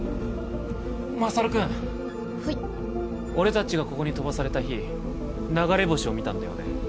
将くんはい俺たちがここに飛ばされた日流れ星を見たんだよね？